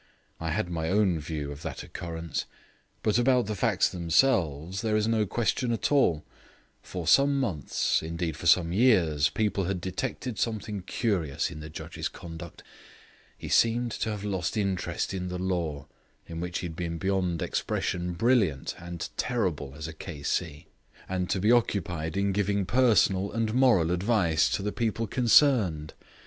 I had my own view of that occurrence; but about the facts themselves there is no question at all. For some months, indeed for some years, people had detected something curious in the judge's conduct. He seemed to have lost interest in the law, in which he had been beyond expression brilliant and terrible as a K.C., and to be occupied in giving personal and moral advice to the people concerned.